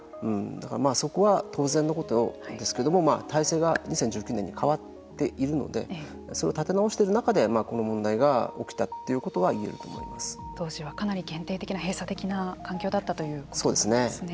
そこは当然のことですけども体制が２０１９年に変わっているのでそれを立て直している中でこの問題が起きたということは当時はかなり限定的な閉鎖的な環境だったということなんですね。